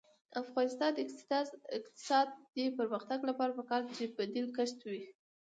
د افغانستان د اقتصادي پرمختګ لپاره پکار ده چې بدیل کښت وي.